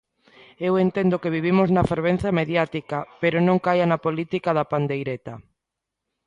Eu entendo que vivimos na fervenza mediática, pero non caia na política da pandeireta.